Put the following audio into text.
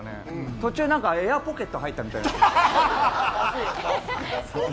途中なんか、エアポケット入ったみたいな。